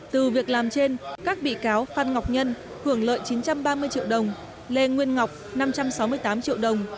từ việc làm trên các bị cáo phan ngọc nhân hưởng lợi chín trăm ba mươi triệu đồng lê nguyên ngọc năm trăm sáu mươi tám triệu đồng